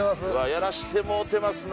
やらしてもうてますな。